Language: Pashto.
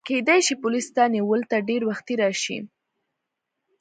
کیدای شي پولیس ستا نیولو ته ډېر وختي راشي.